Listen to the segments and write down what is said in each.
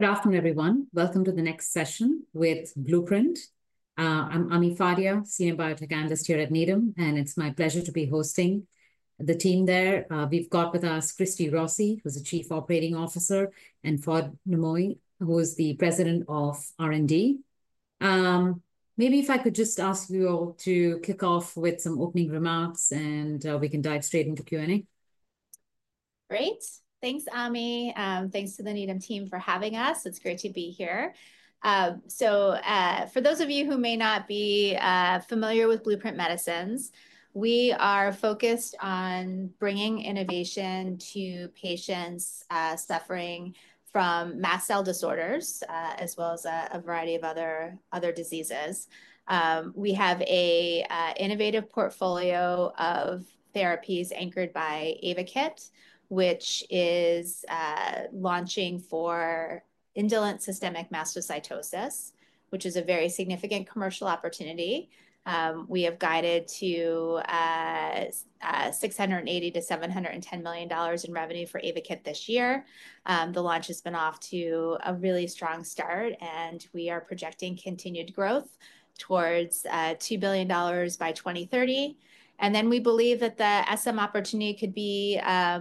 Good afternoon, everyone. Welcome to the next session with Blueprint Medicines. I'm Ami Fadia, Senior Biotech Analyst here at Needham, and it's my pleasure to be hosting the team there. We've got with us Christy Rossi, who's the Chief Operating Officer, and Fouad Namouni, who is the President of R&D. Maybe if I could just ask you all to kick off with some opening remarks, and we can dive straight into Q&A. Great. Thanks, Ami. Thanks to the Needham team for having us. It's great to be here. For those of you who may not be familiar with Blueprint Medicines, we are focused on bringing innovation to patients suffering from mast cell disorders, as well as a variety of other diseases. We have an innovative portfolio of therapies anchored by Ayvakit, which is launching for indolent systemic mastocytosis, which is a very significant commercial opportunity. We have guided to $680-$710 million in revenue for Ayvakit this year. The launch has been off to a really strong start, and we are projecting continued growth towards $2 billion by 2030. We believe that the SM opportunity could be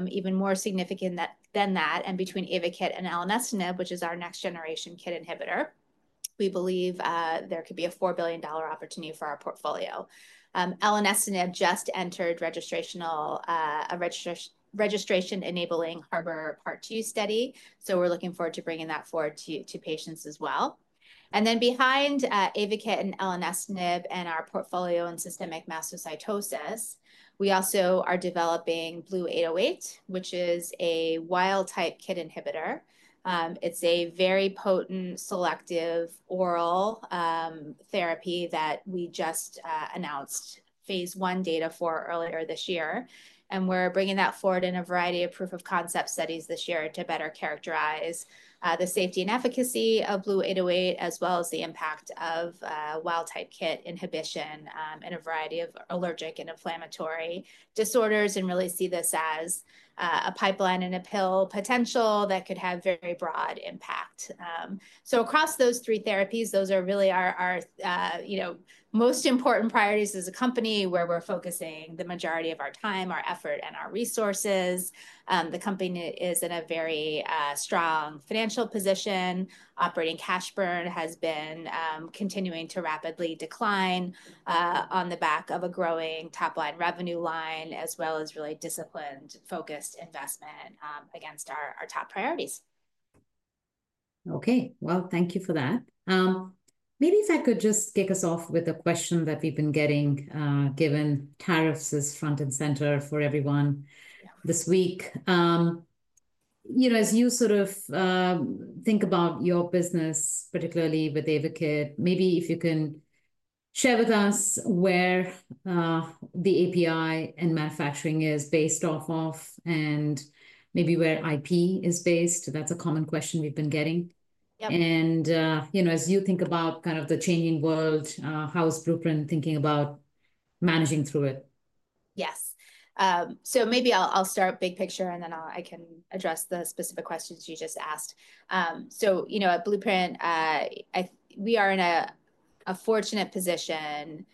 even more significant than that. Between Ayvakit and Elenestinib, which is our next generation KIT inhibitor, we believe there could be a $4 billion opportunity for our portfolio. Elenestinib just entered a registration enabling Harbor Part 2 study, so we're looking forward to bringing that forward to patients as well. Then behind Ayvakit and elenestinib and our portfolio in systemic mastocytosis, we also are developing BLU-808, which is a wild-type KIT inhibitor. It's a very potent selective oral therapy that we just announced phase one data for earlier this year. We're bringing that forward in a variety of proof of concept studies this year to better characterize the safety and efficacy of BLU-808, as well as the impact of wild-type KIT inhibition in a variety of allergic and inflammatory disorders, and really see this as a pipeline and a pill potential that could have very broad impact. Across those three therapies, those are really our most important priorities as a company where we're focusing the majority of our time, our effort, and our resources. The company is in a very strong financial position. Operating cash burn has been continuing to rapidly decline on the back of a growing top-line revenue line, as well as really disciplined, focused investment against our top priorities. Okay. Thank you for that. Maybe if I could just kick us off with a question that we've been getting given tariffs as front and center for everyone this week. As you sort of think about your business, particularly with Ayvakit, maybe if you can share with us where the API and manufacturing is based off of, and maybe where IP is based. That's a common question we've been getting. As you think about kind of the changing world, how is Blueprint thinking about managing through it? Yes. Maybe I'll start big picture, and then I can address the specific questions you just asked. At Blueprint, we are in a fortunate position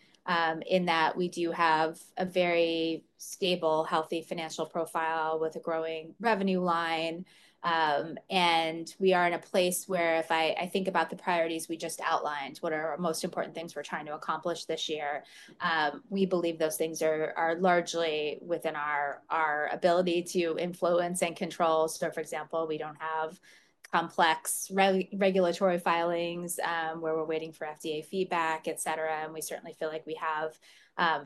in that we do have a very stable, healthy financial profile with a growing revenue line. We are in a place where if I think about the priorities we just outlined, what are our most important things we're trying to accomplish this year, we believe those things are largely within our ability to influence and control. For example, we don't have complex regulatory filings where we're waiting for FDA feedback, et cetera. We certainly feel like we have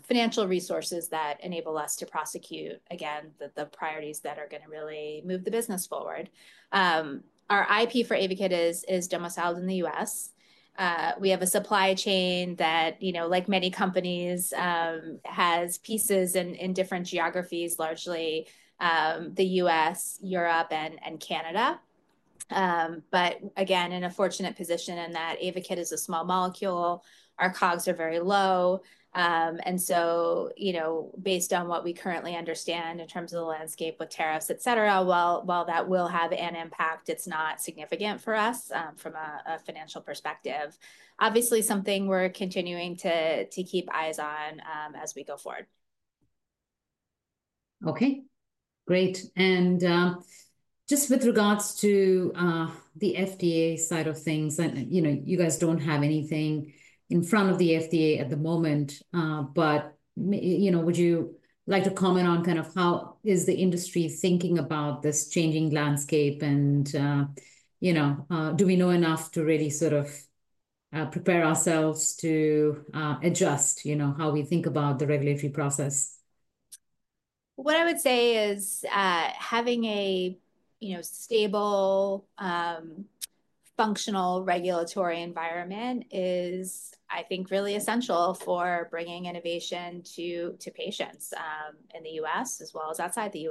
financial resources that enable us to prosecute, again, the priorities that are going to really move the business forward. Our IP for Ayvakit is domiciled in the U.S. We have a supply chain that, like many companies, has pieces in different geographies, largely the U.S., Europe, and Canada. Again, in a fortunate position in that Ayvakit is a small molecule, our COGS are very low. Based on what we currently understand in terms of the landscape with tariffs, et cetera, while that will have an impact, it is not significant for us from a financial perspective. Obviously, something we are continuing to keep eyes on as we go forward. Okay. Great. Just with regards to the FDA side of things, you guys don't have anything in front of the FDA at the moment. Would you like to comment on kind of how is the industry thinking about this changing landscape? Do we know enough to really sort of prepare ourselves to adjust how we think about the regulatory process? What I would say is having a stable, functional regulatory environment is, I think, really essential for bringing innovation to patients in the U.S. as well as outside the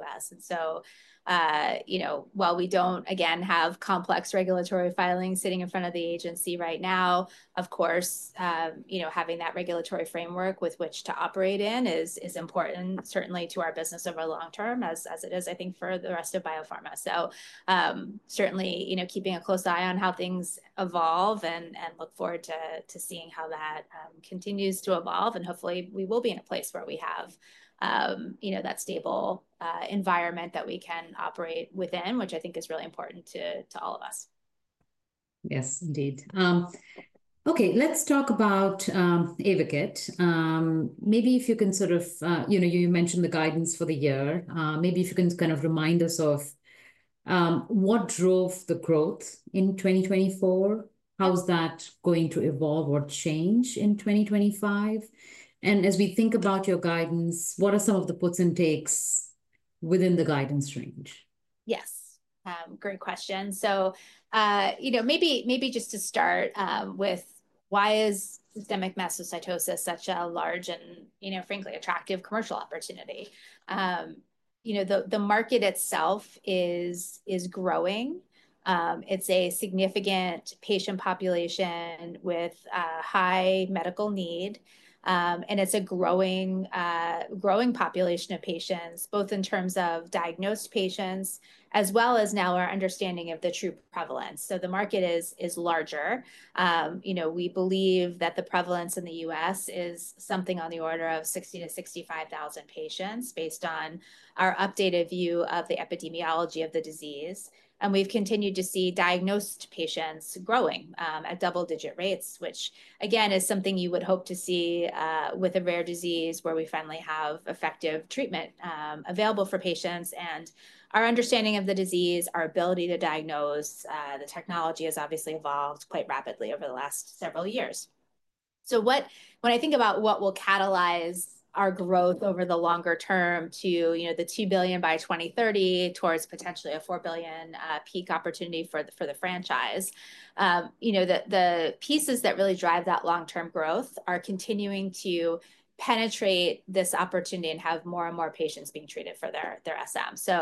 U.S. While we do not, again, have complex regulatory filings sitting in front of the agency right now, of course, having that regulatory framework with which to operate in is important, certainly to our business over the long term, as it is, I think, for the rest of biopharma. Certainly keeping a close eye on how things evolve and look forward to seeing how that continues to evolve. Hopefully, we will be in a place where we have that stable environment that we can operate within, which I think is really important to all of us. Yes, indeed. Okay. Let's talk about Ayvakit. Maybe if you can sort of, you mentioned the guidance for the year. Maybe if you can kind of remind us of what drove the growth in 2024, how's that going to evolve or change in 2025? As we think about your guidance, what are some of the puts and takes within the guidance range? Yes. Great question. Maybe just to start with, why is systemic mastocytosis such a large and, frankly, attractive commercial opportunity? The market itself is growing. It's a significant patient population with high medical need. It's a growing population of patients, both in terms of diagnosed patients as well as now our understanding of the true prevalence. The market is larger. We believe that the prevalence in the U.S. is something on the order of 60,000-65,000 patients based on our updated view of the epidemiology of the disease. We've continued to see diagnosed patients growing at double-digit rates, which, again, is something you would hope to see with a rare disease where we finally have effective treatment available for patients. Our understanding of the disease, our ability to diagnose, the technology has obviously evolved quite rapidly over the last several years. When I think about what will catalyze our growth over the longer term to the $2 billion by 2030 towards potentially a $4 billion peak opportunity for the franchise, the pieces that really drive that long-term growth are continuing to penetrate this opportunity and have more and more patients being treated for their SM.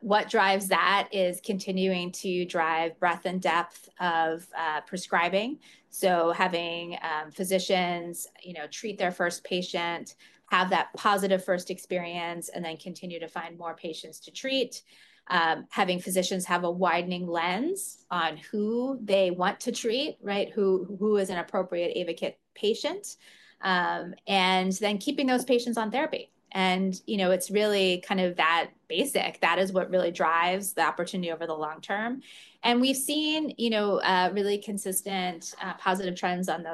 What drives that is continuing to drive breadth and depth of prescribing. Having physicians treat their first patient, have that positive first experience, and then continue to find more patients to treat. Having physicians have a widening lens on who they want to treat, who is an appropriate Ayvakit patient, and then keeping those patients on therapy. It is really kind of that basic. That is what really drives the opportunity over the long term. We have seen really consistent positive trends on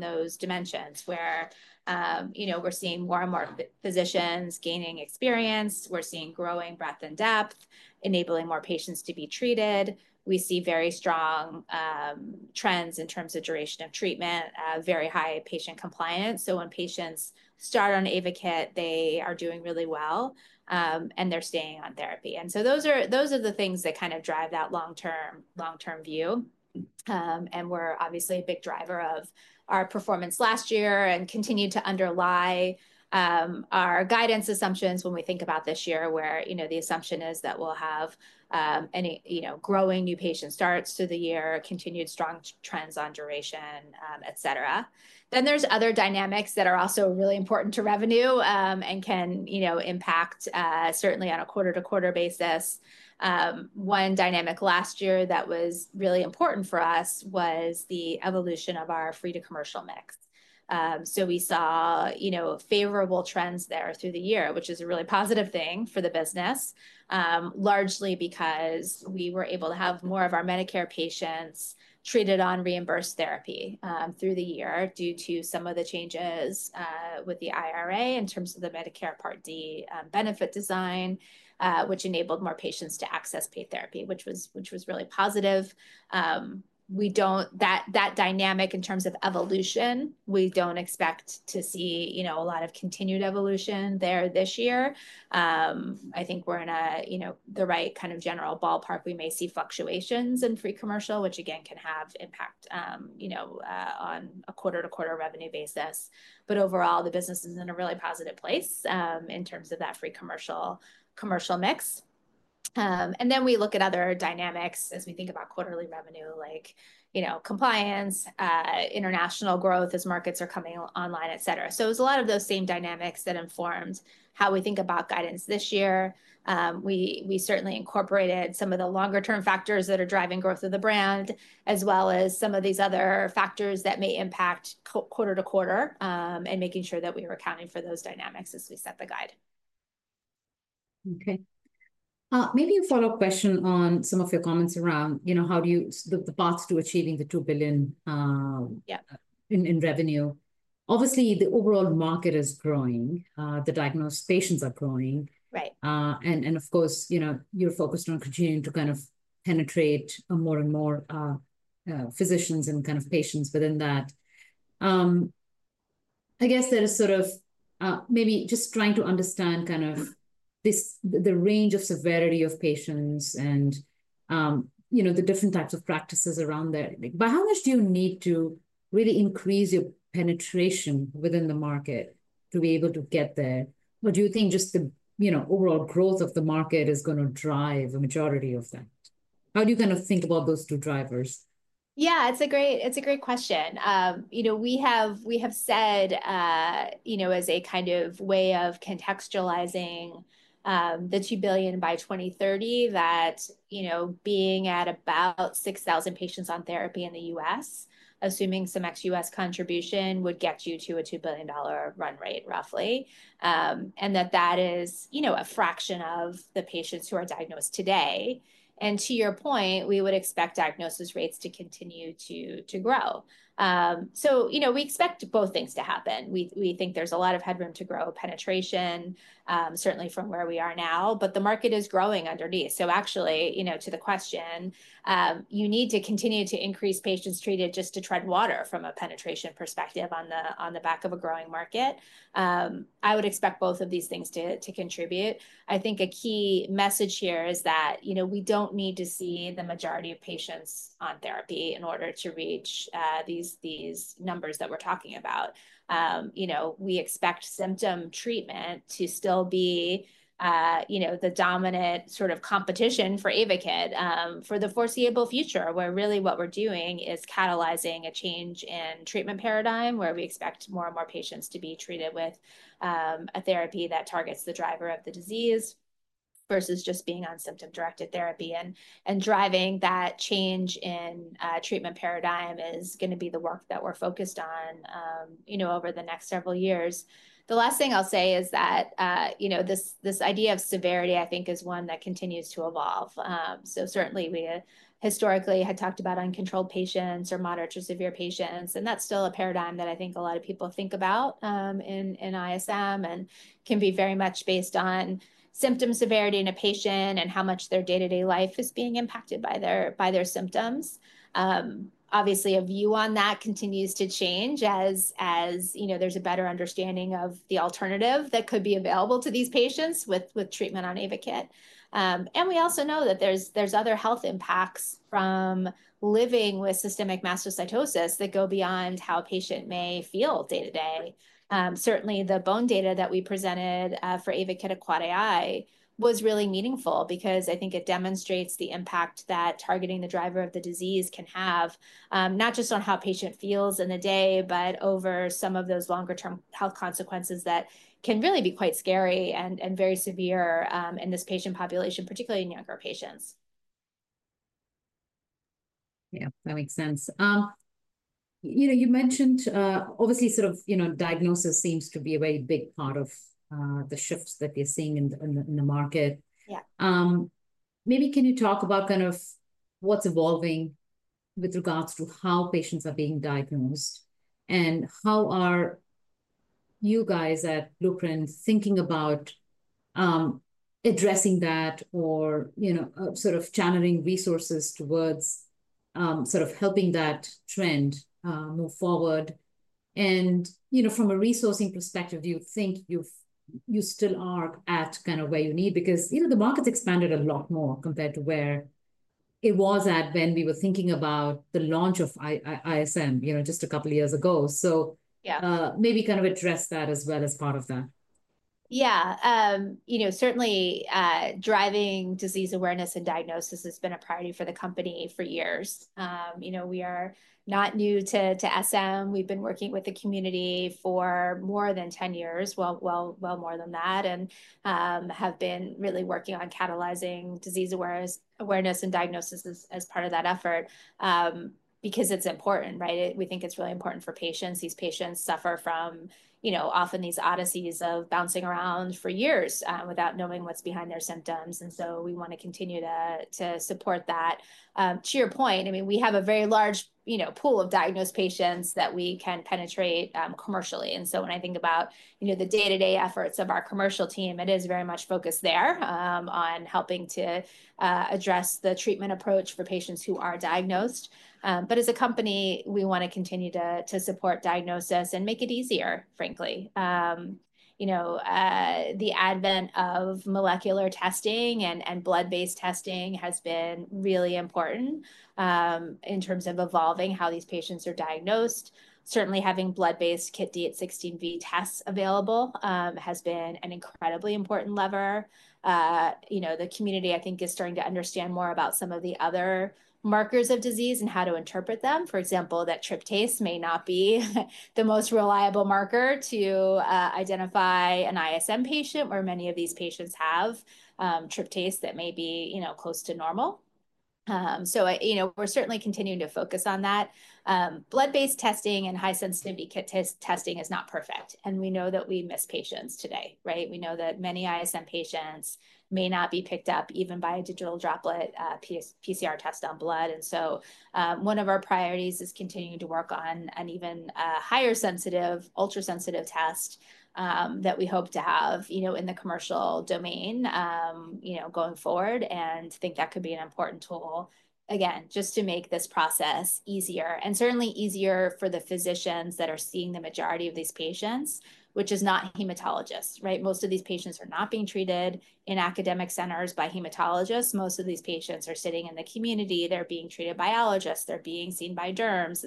those dimensions where we are seeing more and more physicians gaining experience. We are seeing growing breadth and depth, enabling more patients to be treated. We see very strong trends in terms of duration of treatment, very high patient compliance. When patients start on Ayvakit, they are doing really well, and they are staying on therapy. Those are the things that kind of drive that long-term view. We are obviously a big driver of our performance last year and continue to underlie our guidance assumptions when we think about this year, where the assumption is that we will have growing new patient starts through the year, continued strong trends on duration, et cetera. There are other dynamics that are also really important to revenue and can impact certainly on a quarter-to-quarter basis. One dynamic last year that was really important for us was the evolution of our free-to-commercial mix. We saw favorable trends there through the year, which is a really positive thing for the business, largely because we were able to have more of our Medicare patients treated on reimbursed therapy through the year due to some of the changes with the IRA in terms of the Medicare Part D benefit design, which enabled more patients to access paid therapy, which was really positive. That dynamic in terms of evolution, we do not expect to see a lot of continued evolution there this year. I think we are in the right kind of general ballpark. We may see fluctuations in free commercial, which, again, can have impact on a quarter-to-quarter revenue basis. Overall, the business is in a really positive place in terms of that free commercial mix. We look at other dynamics as we think about quarterly revenue, like compliance, international growth as markets are coming online, et cetera. It was a lot of those same dynamics that informed how we think about guidance this year. We certainly incorporated some of the longer-term factors that are driving growth of the brand, as well as some of these other factors that may impact quarter to quarter and making sure that we were accounting for those dynamics as we set the guide. Okay. Maybe a follow-up question on some of your comments around the path to achieving the $2 billion in revenue. Obviously, the overall market is growing. The diagnosed patients are growing. Of course, you're focused on continuing to kind of penetrate more and more physicians and kind of patients within that. I guess there is sort of maybe just trying to understand kind of the range of severity of patients and the different types of practices around there. By how much do you need to really increase your penetration within the market to be able to get there? Do you think just the overall growth of the market is going to drive the majority of that? How do you kind of think about those two drivers? Yeah, it's a great question. We have said, as a kind of way of contextualizing the $2 billion by 2030, that being at about 6,000 patients on therapy in the U.S., assuming some ex-U.S. contribution, would get you to a $2 billion run rate, roughly, and that that is a fraction of the patients who are diagnosed today. To your point, we would expect diagnosis rates to continue to grow. We expect both things to happen. We think there's a lot of headroom to grow penetration, certainly from where we are now. The market is growing underneath. Actually, to the question, you need to continue to increase patients treated just to tread water from a penetration perspective on the back of a growing market. I would expect both of these things to contribute. I think a key message here is that we don't need to see the majority of patients on therapy in order to reach these numbers that we're talking about. We expect symptom treatment to still be the dominant sort of competition for Ayvakit for the foreseeable future, where really what we're doing is catalyzing a change in treatment paradigm, where we expect more and more patients to be treated with a therapy that targets the driver of the disease versus just being on symptom-directed therapy. Driving that change in treatment paradigm is going to be the work that we're focused on over the next several years. The last thing I'll say is that this idea of severity, I think, is one that continues to evolve. Certainly, we historically had talked about uncontrolled patients or moderate to severe patients. That is still a paradigm that I think a lot of people think about in ISM and can be very much based on symptom severity in a patient and how much their day-to-day life is being impacted by their symptoms. Obviously, a view on that continues to change as there is a better understanding of the alternative that could be available to these patients with treatment on Ayvakit. We also know that there are other health impacts from living with systemic mastocytosis that go beyond how a patient may feel day to day. Certainly, the bone data that we presented for Ayvakit at Quad AI was really meaningful because I think it demonstrates the impact that targeting the driver of the disease can have, not just on how a patient feels in the day, but over some of those longer-term health consequences that can really be quite scary and very severe in this patient population, particularly in younger patients. Yeah, that makes sense. You mentioned, obviously, sort of diagnosis seems to be a very big part of the shifts that you're seeing in the market. Maybe can you talk about kind of what's evolving with regards to how patients are being diagnosed and how are you guys at Blueprint thinking about addressing that or sort of channeling resources towards sort of helping that trend move forward? From a resourcing perspective, do you think you still are at kind of where you need? Because the market's expanded a lot more compared to where it was at when we were thinking about the launch of ISM just a couple of years ago. Maybe kind of address that as well as part of that. Yeah. Certainly, driving disease awareness and diagnosis has been a priority for the company for years. We are not new to SM. We've been working with the community for more than 10 years, well more than that, and have been really working on catalyzing disease awareness and diagnosis as part of that effort because it's important. We think it's really important for patients. These patients suffer from often these odysseys of bouncing around for years without knowing what's behind their symptoms. We want to continue to support that. To your point, I mean, we have a very large pool of diagnosed patients that we can penetrate commercially. When I think about the day-to-day efforts of our commercial team, it is very much focused there on helping to address the treatment approach for patients who are diagnosed. As a company, we want to continue to support diagnosis and make it easier, frankly. The advent of molecular testing and blood-based testing has been really important in terms of evolving how these patients are diagnosed. Certainly, having blood-based KIT D816V tests available has been an incredibly important lever. The community, I think, is starting to understand more about some of the other markers of disease and how to interpret them. For example, that tryptase may not be the most reliable marker to identify an ISM patient where many of these patients have tryptase that may be close to normal. We are certainly continuing to focus on that. Blood-based testing and high-sensitivity KIT testing is not perfect. We know that we miss patients today. We know that many ISM patients may not be picked up even by a digital droplet PCR test on blood. One of our priorities is continuing to work on an even higher sensitive, ultra-sensitive test that we hope to have in the commercial domain going forward and think that could be an important tool, again, just to make this process easier and certainly easier for the physicians that are seeing the majority of these patients, which is not hematologists. Most of these patients are not being treated in academic centers by hematologists. Most of these patients are sitting in the community. They're being treated by allergists. They're being seen by derms.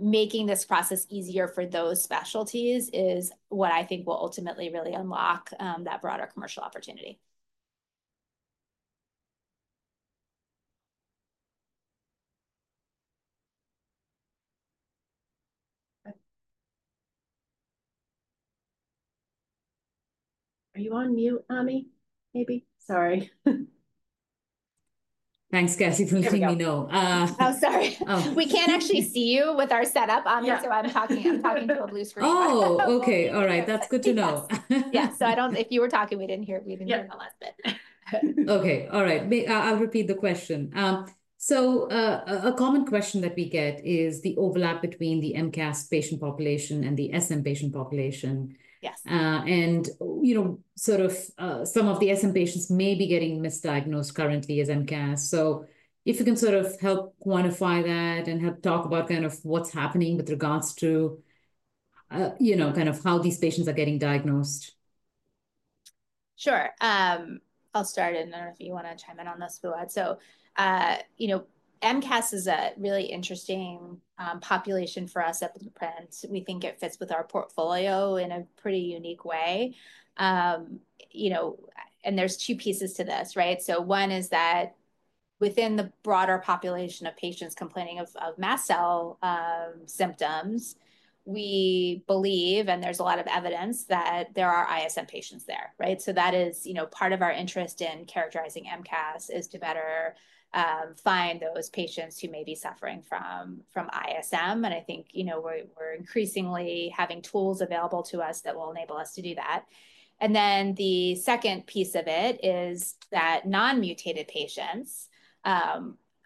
Making this process easier for those specialties is what I think will ultimately really unlock that broader commercial opportunity. Are you on mute, Ami, maybe? Sorry. Thanks, Cassie, for letting me know. Oh, sorry. We can't actually see you with our setup. I'm talking to a blue screen. Oh, okay. All right. That's good to know. Yeah. If you were talking, we didn't hear the last bit. Okay. All right. I'll repeat the question. A common question that we get is the overlap between the MCAS patient population and the SM patient population. Some of the SM patients may be getting misdiagnosed currently as MCAS. If you can help quantify that and help talk about what's happening with regards to how these patients are getting diagnosed. Sure. I'll start. I don't know if you want to chime in on this, Fouad. MCAS is a really interesting population for us at Blueprint. We think it fits with our portfolio in a pretty unique way. There are two pieces to this. One is that within the broader population of patients complaining of mast cell symptoms, we believe, and there's a lot of evidence, that there are ISM patients there. That is part of our interest in characterizing MCAS, to better find those patients who may be suffering from ISM. I think we're increasingly having tools available to us that will enable us to do that. The second piece of it is that non-mutated patients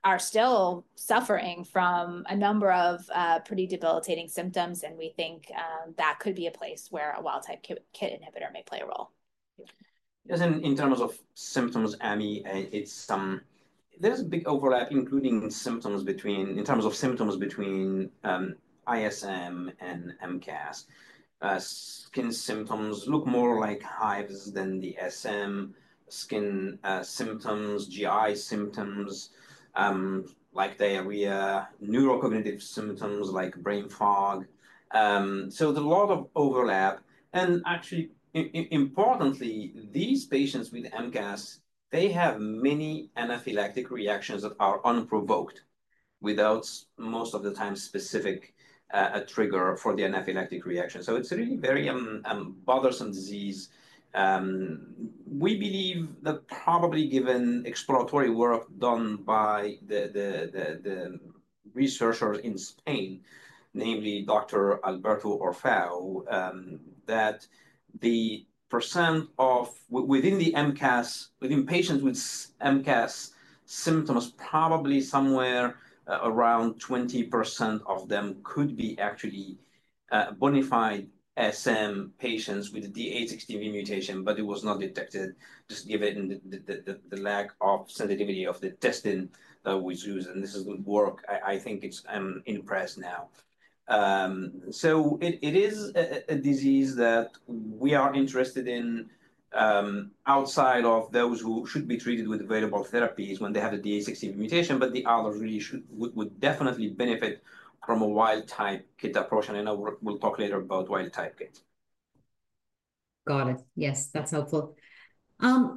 are still suffering from a number of pretty debilitating symptoms. We think that could be a place where a wild-type KIT inhibitor may play a role. In terms of symptoms, Ami, there's a big overlap, including in terms of symptoms between ISM and MCAS. Skin symptoms look more like hives than the SM skin symptoms, GI symptoms like diarrhea, neurocognitive symptoms like brain fog. There is a lot of overlap. Actually, importantly, these patients with MCAS, they have many anaphylactic reactions that are unprovoked without most of the time specific trigger for the anaphylactic reaction. It is really a very bothersome disease. We believe that probably given exploratory work done by the researchers in Spain, namely Dr. Alberto Orfao, the percent of patients with MCAS symptoms, probably somewhere around 20% of them could be actually bona fide SM patients with the D816V mutation, but it was not detected just given the lack of sensitivity of the testing that was used. This is good work. I think I'm impressed now. It is a disease that we are interested in outside of those who should be treated with available therapies when they have the D816V mutation, but the others really would definitely benefit from a wild-type KIT approach. I know we'll talk later about wild-type KIT. Got it. Yes, that's helpful. I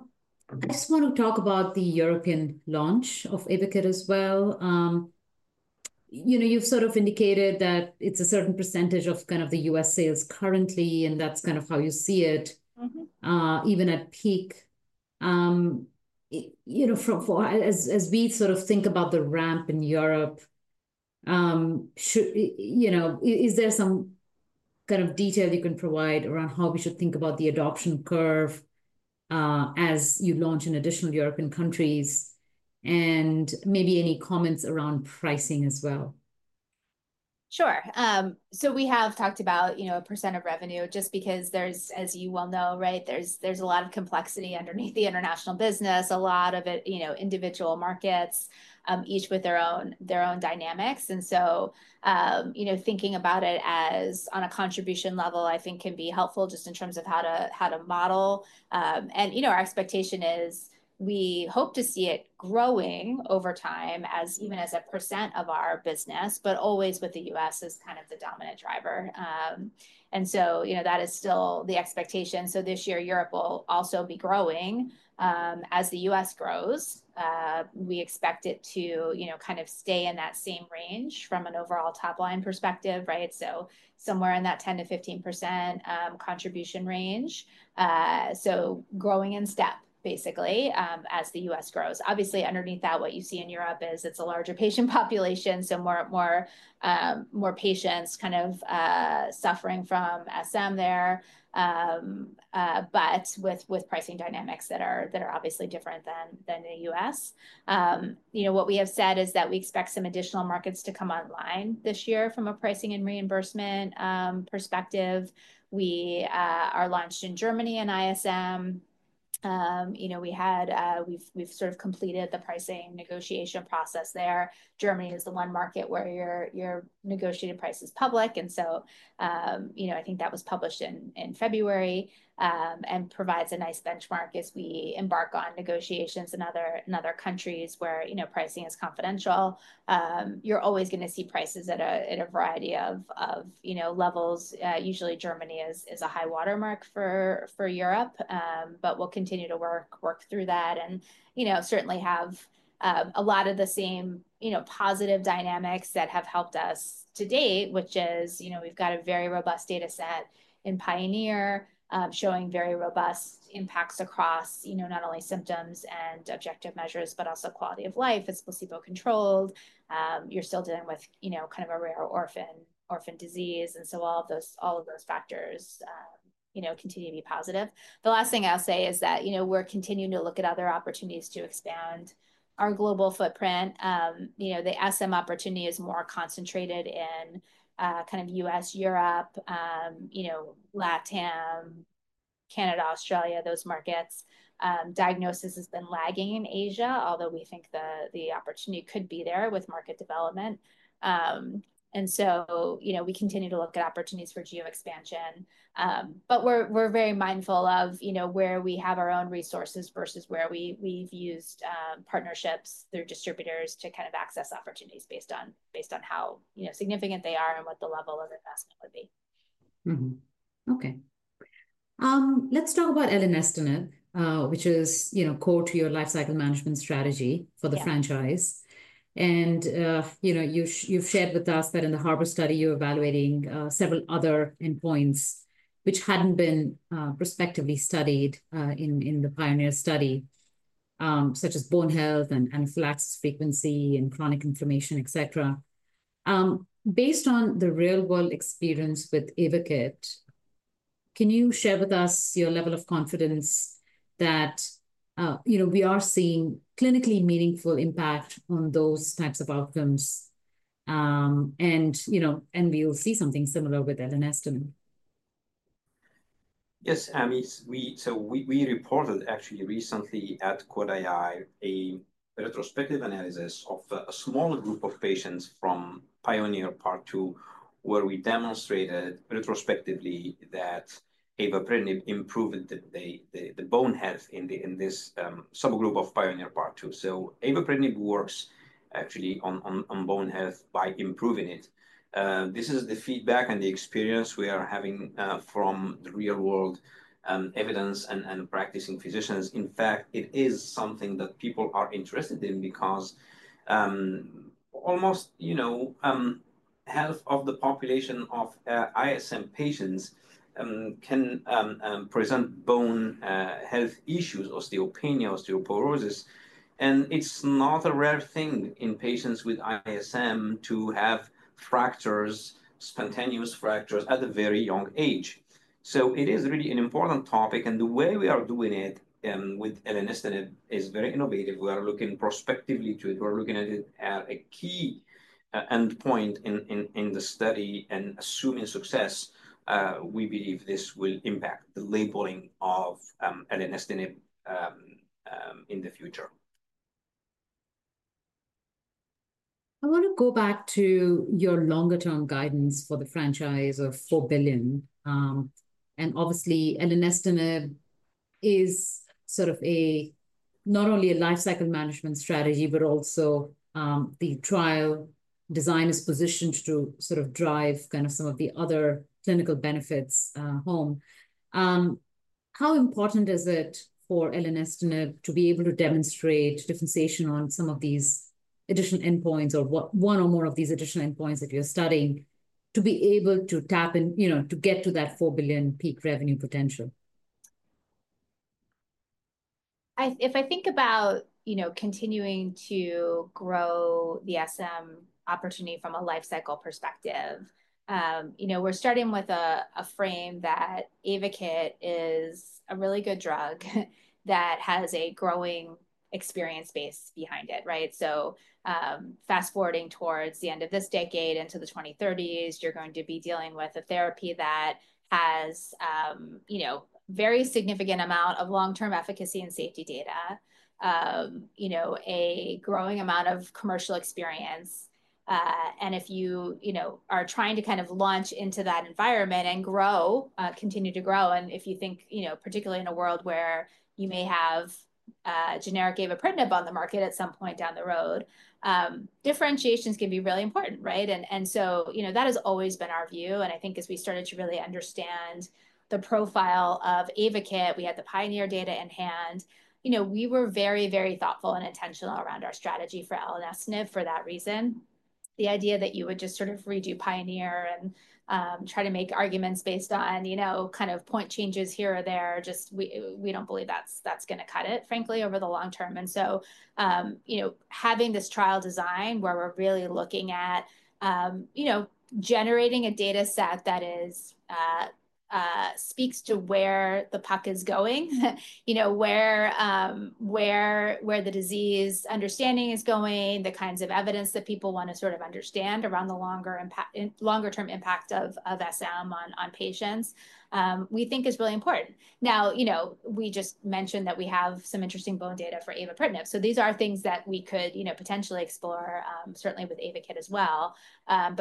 just want to talk about the European launch of Ayvakit as well. You've sort of indicated that it's a certain % of kind of the U.S. sales currently, and that's kind of how you see it even at peak. As we sort of think about the ramp in Europe, is there some kind of detail you can provide around how we should think about the adoption curve as you launch in additional European countries and maybe any comments around pricing as well? Sure. We have talked about a % of revenue just because there's, as you well know, a lot of complexity underneath the international business, a lot of individual markets, each with their own dynamics. Thinking about it on a contribution level, I think, can be helpful just in terms of how to model. Our expectation is we hope to see it growing over time even as a % of our business, but always with the U.S. as kind of the dominant driver. That is still the expectation. This year, Europe will also be growing. As the U.S. grows, we expect it to kind of stay in that same range from an overall top-line perspective, so somewhere in that 10%-15% contribution range, growing in step, basically, as the U.S. grows. Obviously, underneath that, what you see in Europe is it's a larger patient population, so more patients kind of suffering from SM there, but with pricing dynamics that are obviously different than the U.S. What we have said is that we expect some additional markets to come online this year from a pricing and reimbursement perspective. We are launched in Germany in ISM. We've sort of completed the pricing negotiation process there. Germany is the one market where your negotiated price is public. I think that was published in February and provides a nice benchmark as we embark on negotiations in other countries where pricing is confidential. You're always going to see prices at a variety of levels. Usually, Germany is a high watermark for Europe, but we'll continue to work through that and certainly have a lot of the same positive dynamics that have helped us to date, which is we've got a very robust data set in Pioneer showing very robust impacts across not only symptoms and objective measures, but also quality of life, physical, placebo-controlled. You're still dealing with kind of a rare orphan disease. All of those factors continue to be positive. The last thing I'll say is that we're continuing to look at other opportunities to expand our global footprint. The SM opportunity is more concentrated in kind of U.S., Europe, LATAM, Canada, Australia, those markets. Diagnosis has been lagging in Asia, although we think the opportunity could be there with market development. We continue to look at opportunities for geo-expansion. We are very mindful of where we have our own resources versus where we've used partnerships through distributors to kind of access opportunities based on how significant they are and what the level of investment would be. Okay. Let's talk about Elenestinib, which is core to your lifecycle management strategy for the franchise. You've shared with us that in the Harbor study, you're evaluating several other endpoints which hadn't been prospectively studied in the Pioneer study, such as bone health and anaphylaxis frequency and chronic inflammation, etc. Based on the real-world experience with Ayvakit, can you share with us your level of confidence that we are seeing clinically meaningful impact on those types of outcomes and we will see something similar with Elenestinib? Yes, Ami. We reported actually recently at EHA a retrospective analysis of a small group of patients from PIONEER Part 2, where we demonstrated retrospectively that Ayvakit improved the bone health in this subgroup of PIONEER Part 2. Ayvakit works actually on bone health by improving it. This is the feedback and the experience we are having from the real-world evidence and practicing physicians. In fact, it is something that people are interested in because almost half of the population of ISM patients can present bone health issues, osteopenia, osteoporosis. It is not a rare thing in patients with ISM to have fractures, spontaneous fractures at a very young age. It is really an important topic. The way we are doing it with Elenestinib is very innovative. We are looking prospectively to it. We're looking at it as a key endpoint in the study. Assuming success, we believe this will impact the labeling of Elenestinib in the future. I want to go back to your longer-term guidance for the franchise of $4 billion. Obviously, Elenestinib is sort of not only a lifecycle management strategy, but also the trial design is positioned to sort of drive kind of some of the other clinical benefits home. How important is it for Elenestinib to be able to demonstrate differentiation on some of these additional endpoints or one or more of these additional endpoints that you're studying to be able to tap in to get to that $4 billion peak revenue potential? If I think about continuing to grow the SM opportunity from a lifecycle perspective, we're starting with a frame that Ayvakit is a really good drug that has a growing experience base behind it. Fast-forwarding towards the end of this decade into the 2030s, you're going to be dealing with a therapy that has a very significant amount of long-term efficacy and safety data, a growing amount of commercial experience. If you are trying to kind of launch into that environment and continue to grow, and if you think particularly in a world where you may have generic avapritinib on the market at some point down the road, differentiation is going to be really important. That has always been our view. I think as we started to really understand the profile of Ayvakit, we had the PIONEER data in hand, we were very, very thoughtful and intentional around our strategy for Elenestinib for that reason. The idea that you would just sort of redo PIONEER and try to make arguments based on kind of point changes here or there, just we do not believe that is going to cut it, frankly, over the long term. Having this trial design where we are really looking at generating a data set that speaks to where the puck is going, where the disease understanding is going, the kinds of evidence that people want to sort of understand around the longer-term impact of SM on patients, we think is really important. We just mentioned that we have some interesting bone data for Ayvakit. These are things that we could potentially explore, certainly with Ayvakit as well.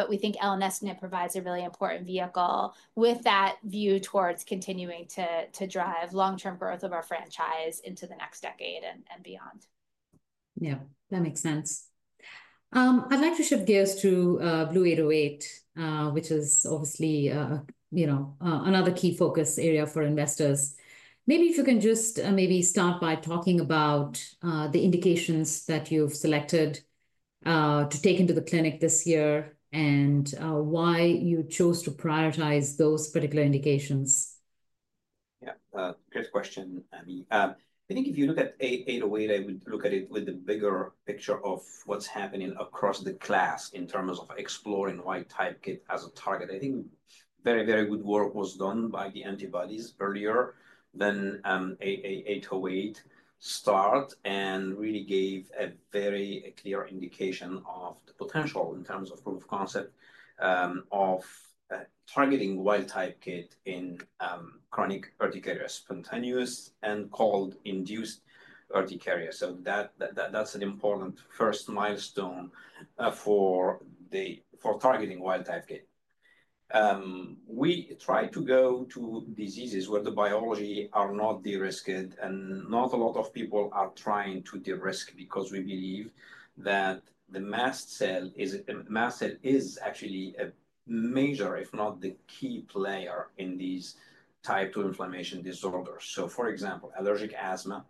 We think Elenestinib provides a really important vehicle with that view towards continuing to drive long-term growth of our franchise into the next decade and beyond. Yeah, that makes sense. I'd like to shift gears to BLU-808, which is obviously another key focus area for investors. Maybe if you can just maybe start by talking about the indications that you've selected to take into the clinic this year and why you chose to prioritize those particular indications. Yeah, great question, Ami. I think if you look at 808, I would look at it with the bigger picture of what's happening across the class in terms of exploring wild-type KIT as a target. I think very, very good work was done by the antibodies earlier than 808 start and really gave a very clear indication of the potential in terms of proof of concept of targeting wild-type KIT in chronic spontaneous urticaria and cold-induced urticaria. That is an important first milestone for targeting wild-type KIT. We try to go to diseases where the biology are not de-risked and not a lot of people are trying to de-risk because we believe that the mast cell is actually a major, if not the key player in these type 2 inflammation disorders. For example, allergic asthma,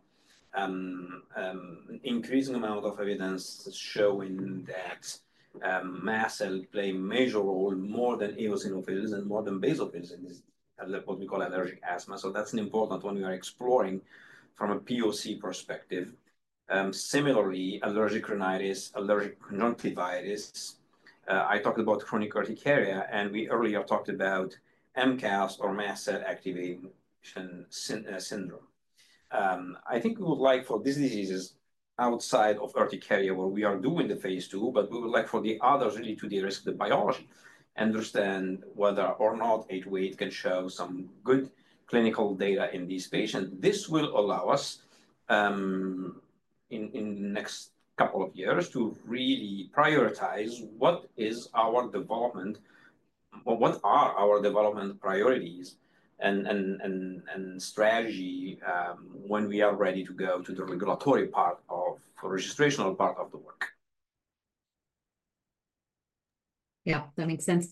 increasing amount of evidence showing that mast cells play a major role more than eosinophils and more than basophils in what we call allergic asthma. That is an important one we are exploring from a POC perspective. Similarly, allergic rhinitis, allergic conjunctivitis. I talked about chronic urticaria, and we earlier talked about MCAS or mast cell activation syndrome. I think we would like for these diseases outside of urticaria where we are doing the phase II, but we would like for the others really to de-risk the biology, understand whether or not 808 can show some good clinical data in these patients. This will allow us in the next couple of years to really prioritize what is our development or what are our development priorities and strategy when we are ready to go to the regulatory part of the registrational part of the work. Yeah, that makes sense.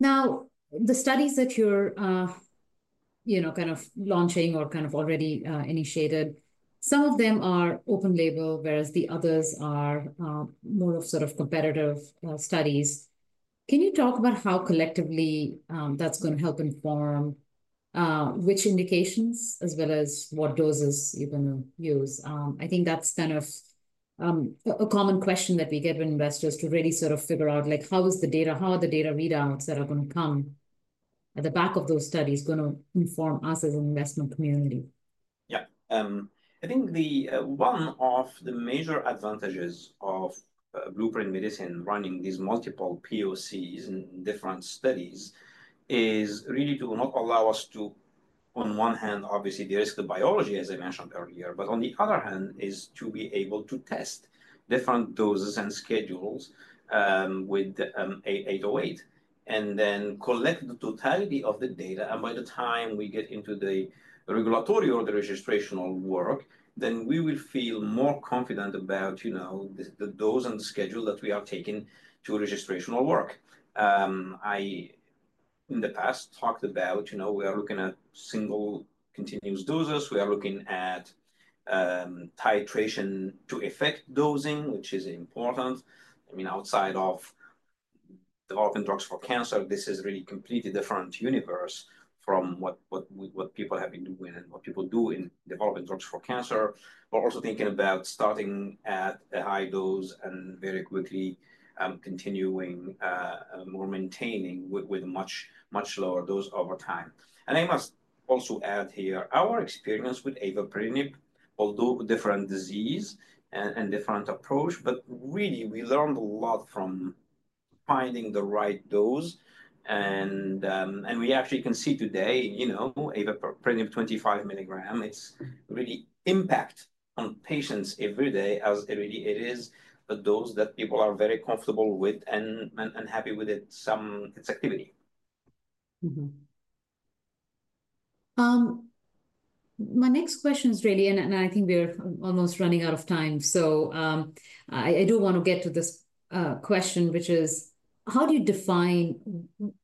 Now, the studies that you're kind of launching or kind of already initiated, some of them are open label, whereas the others are more of sort of competitive studies. Can you talk about how collectively that's going to help inform which indications as well as what doses you're going to use? I think that's kind of a common question that we get from investors to really sort of figure out how is the data, how are the data readouts that are going to come at the back of those studies going to inform us as an investment community? Yeah. I think one of the major advantages of Blueprint Medicines running these multiple POCs in different studies is really to not allow us to, on one hand, obviously de-risk the biology, as I mentioned earlier, but on the other hand, is to be able to test different doses and schedules with 808 and then collect the totality of the data. By the time we get into the regulatory or the registrational work, we will feel more confident about the dose and the schedule that we are taking to registrational work. I, in the past, talked about we are looking at single continuous doses. We are looking at titration to effect dosing, which is important. I mean, outside of developing drugs for cancer, this is really a completely different universe from what people have been doing and what people do in developing drugs for cancer. We're also thinking about starting at a high dose and very quickly continuing or maintaining with a much lower dose over time. I must also add here, our experience with Ayvakit, although different disease and different approach, but really we learned a lot from finding the right dose. We actually can see today Ayvakit 25 milligram, it's really impact on patients every day as it really is a dose that people are very comfortable with and happy with its activity. My next question is really, and I think we're almost running out of time. I do want to get to this question, which is, how do you define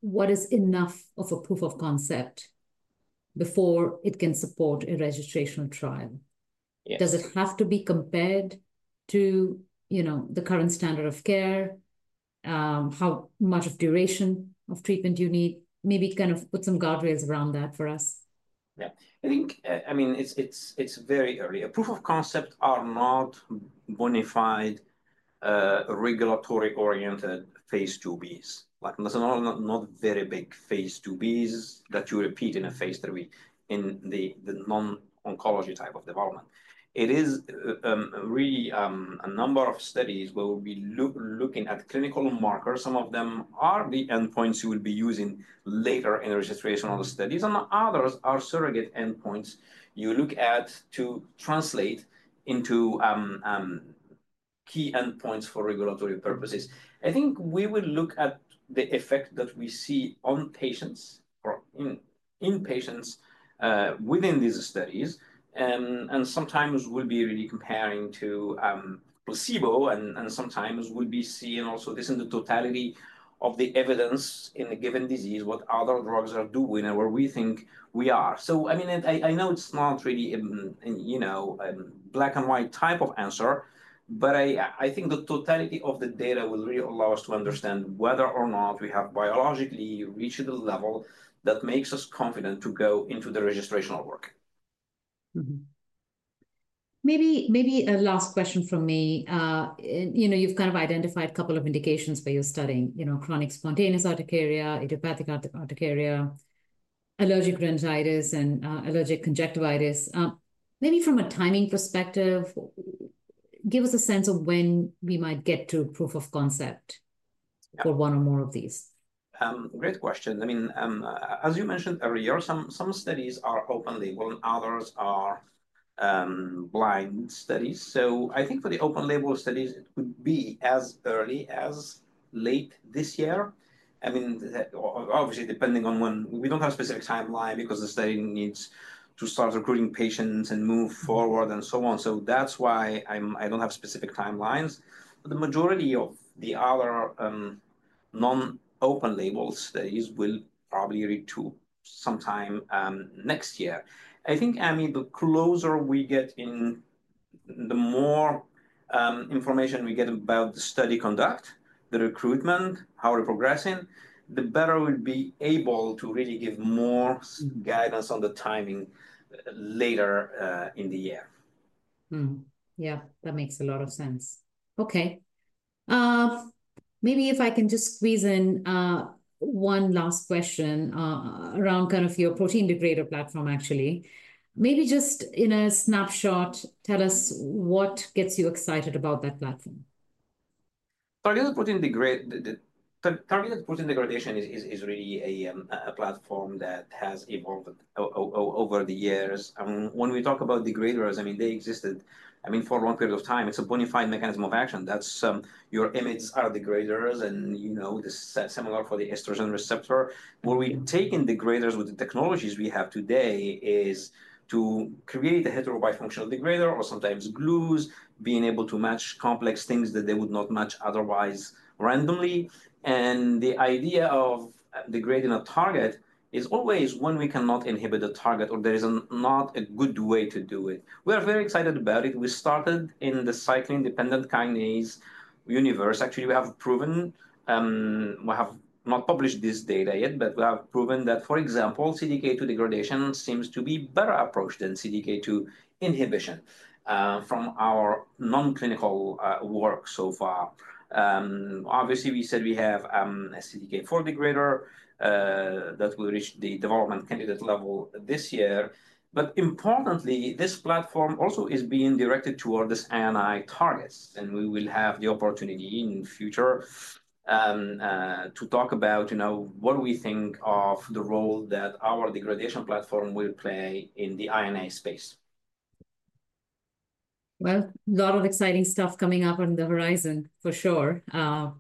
what is enough of a proof of concept before it can support a registrational trial? Does it have to be compared to the current standard of care, how much of duration of treatment you need? Maybe kind of put some guardrails around that for us. Yeah. I think, I mean, it's very early. A proof of concept are not bonafide regulatory-oriented phase IIBs. There's not very big phase 2Bs that you repeat in a phase III in the non-oncology type of development. It is really a number of studies where we'll be looking at clinical markers. Some of them are the endpoints you would be using later in registrational studies, and others are surrogate endpoints you look at to translate into key endpoints for regulatory purposes. I think we would look at the effect that we see on patients or in patients within these studies. Sometimes we'll be really comparing to placebo, and sometimes we'll be seeing also this in the totality of the evidence in a given disease, what other drugs are doing and where we think we are. I mean, I know it's not really a black and white type of answer, but I think the totality of the data will really allow us to understand whether or not we have biologically reached the level that makes us confident to go into the registrational work. Maybe a last question from me. You've kind of identified a couple of indications where you're studying chronic spontaneous urticaria, idiopathic urticaria, allergic rhinitis, and allergic conjunctivitis. Maybe from a timing perspective, give us a sense of when we might get to proof of concept for one or more of these. Great question. I mean, as you mentioned earlier, some studies are open label and others are blind studies. I think for the open label studies, it would be as early as late this year. I mean, obviously, depending on when we do not have a specific timeline because the study needs to start recruiting patients and move forward and so on. That is why I do not have specific timelines. The majority of the other non-open label studies will probably reach to sometime next year. I think, Ami, the closer we get in, the more information we get about the study conduct, the recruitment, how we are progressing, the better we will be able to really give more guidance on the timing later in the year. Yeah, that makes a lot of sense. Okay. Maybe if I can just squeeze in one last question around kind of your protein degrader platform, actually. Maybe just in a snapshot, tell us what gets you excited about that platform. Targeted protein degradation is really a platform that has evolved over the years. When we talk about degraders, I mean, they existed, I mean, for a long period of time. It's a bona fide mechanism of action. IMiDs are degraders, and similar for the estrogen receptor. Where we're taking degraders with the technologies we have today is to create a heterobifunctional degrader or sometimes glues, being able to match complex things that they would not match otherwise randomly. The idea of degrading a target is always when we cannot inhibit a target or there is not a good way to do it. We are very excited about it. We started in the cyclin dependent kinase universe. Actually, we have proven, we have not published this data yet, but we have proven that, for example, CDK2 degradation seems to be a better approach than CDK2 inhibition from our non-clinical work so far. Obviously, we said we have a CDK4 degrader that will reach the development candidate level this year. Importantly, this platform also is being directed toward these A&I targets. We will have the opportunity in the future to talk about what we think of the role that our degradation platform will play in the I&A space. A lot of exciting stuff coming up on the horizon, for sure. I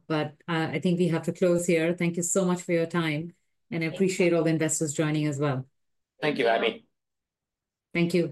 think we have to close here. Thank you so much for your time. I appreciate all the investors joining as well. Thank you, Ami. Thank you.